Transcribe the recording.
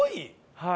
はい。